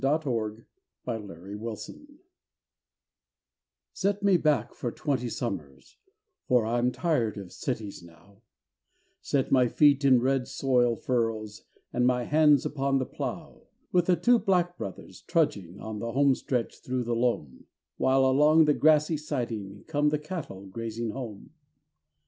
THE SHAKEDOWN ON THE FLOOR Set me back for twenty summers For I'm tired of cities now Set my feet in red soil furrows And my hands upon the plough, With the two 'Black Brothers' trudging On the home stretch through the loam While, along the grassy siding, Come the cattle grazing home.